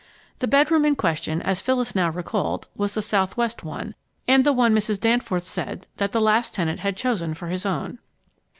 The bedroom in question, as Phyllis now recalled, was the southwest one, and the one Mrs. Danforth said that the last tenant had chosen for his own.